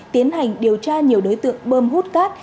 tiến hành điều tra nhiều đối tượng bơm hút cát